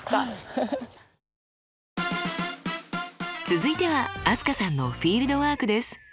続いては飛鳥さんのフィールドワークです。